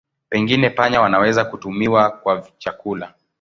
Pengine panya wanaweza kutumiwa kwa chakula.